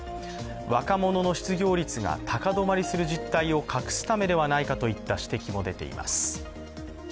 若者の失業率が高止まりする実態を隠すためではないかといった指摘も出ています。